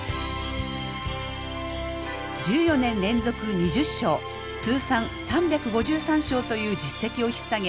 １４年連続２０勝通算３５３勝という実績をひっ提げ